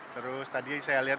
terus tadi saya lihat